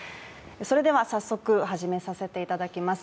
早速始めさせていただきます。